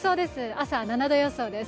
朝７度予想です。